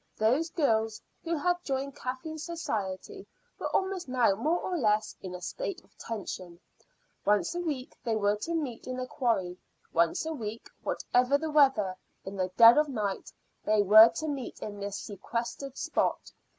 Those girls who had joined Kathleen's society were almost now more or less in a state of tension. Once a week they were to meet in the quarry; once a week, whatever the weather, in the dead of night, they were to meet in this sequestered spot.